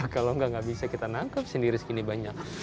kalau nggak bisa kita nangkep sendiri segini banyak